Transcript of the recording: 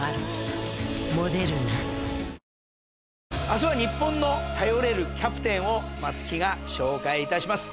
明日は日本の頼れるキャプテンを松木が紹介致します。